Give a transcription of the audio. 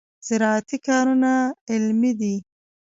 زراعتي کارونه علمي دي.